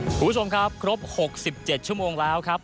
คุณผู้ชมครับครบ๖๗ชั่วโมงแล้วครับ